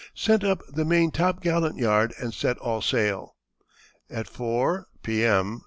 Sent up the main top gallant yard and set all sail. At 4 (?) P.M.